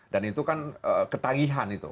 dan itu kan ketagihan itu